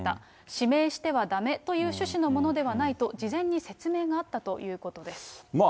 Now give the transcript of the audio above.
指名してはだめという趣旨のものではないと事前に説明があったということです。